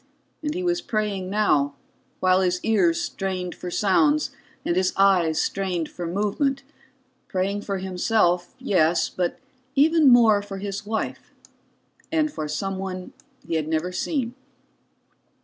And he was praying now, while his ears strained for sounds and his eyes strained for movement; praying for himself, yes, but even more for his wife, and for someone he had never seen.